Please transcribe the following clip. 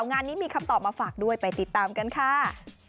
งานนี้มีคำตอบมาฝากด้วยไปติดตามกันค่ะ